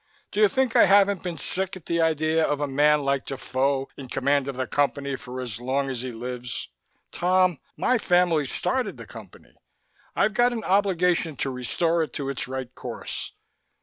"Do you think I haven't been sick at the idea of a man like Defoe in command of the Company for as long as he lives? Tom, my family started the Company. I've got an obligation to restore it to its right course.